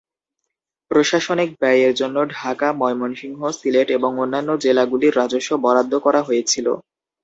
প্রশাসনিক ব্যয়ের জন্য, ঢাকা, ময়মনসিংহ, সিলেট এবং অন্যান্য জেলাগুলির রাজস্ব বরাদ্দ করা হয়েছিল।